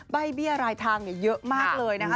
เบี้ยรายทางเยอะมากเลยนะคะ